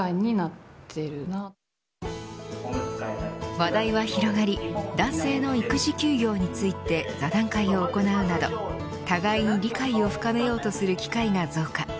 話題は広がり男性の育児休業について座談会を行うなど互いに理解を深めようとする機会が増加。